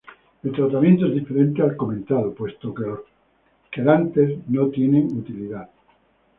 El tratamiento es diferente al comentado, puesto que los quelantes no tienen utilidad.